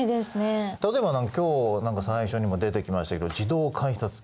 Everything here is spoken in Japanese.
例えば今日最初にも出てきましたけど自動改札機。